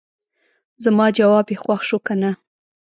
زما جواب یې خوښ شو کنه.